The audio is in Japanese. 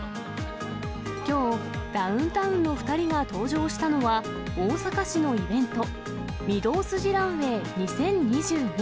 きょう、ダウンタウンの２人が登場したのは、大阪市のイベント、御堂筋ランウェイ２０２２。